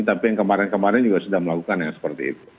tapi yang kemarin kemarin juga sudah melakukan yang seperti itu